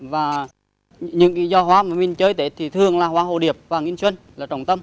và những giò hoa mà mình chơi tết thì thường là hoa hô điệp và nghiên xuân là trọng tâm